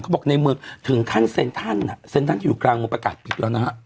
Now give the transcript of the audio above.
บอกในมือถึงขั้นเซ็นทรัลเซ็นทันอยู่กลางมือประกาศปิดแล้วนะฮะ